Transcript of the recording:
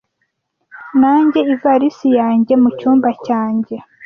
Najyanye ivalisi yanjye mu cyumba cyanjye